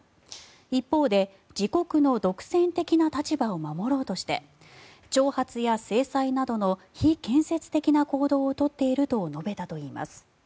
一方で、自国の独占的な立場を守ろうとして挑発や制裁などの非建設的な行動を取っていると述べたといいます。